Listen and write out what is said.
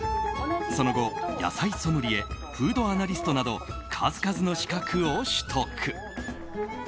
その後、野菜ソムリエフードアナリストなど数々の資格を取得。